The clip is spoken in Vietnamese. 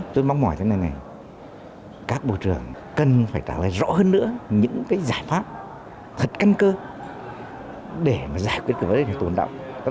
tôi mong mỏi thế này này các bộ trưởng cần phải trả lời rõ hơn nữa những cái giải pháp thật căn cơ để mà giải quyết vấn đề này tồn đọc